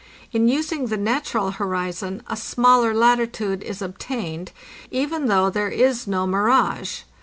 In using the natural horizon a smaller latitude is obtained, even though there is no mirage.